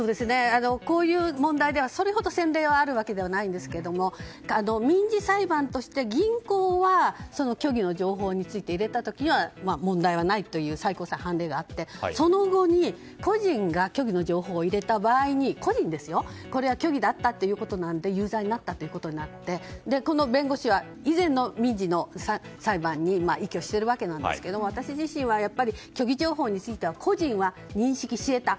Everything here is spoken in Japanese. こういう問題では、それほど先例はあるわけじゃないですが民事裁判として銀行は虚偽の情報について入れた時には問題はないということで最高裁の判例があってその後に、個人が虚偽の情報を入れた場合に虚偽だったということなので有罪ということになってこの弁護士は以前の民事の裁判に依拠しているわけですが私自身は、虚偽情報については個人は認識し得た。